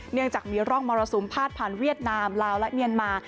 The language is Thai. เนื่องจากมีร่องมรสุมพาดผ่านเวียดนามลาวและเมียนมา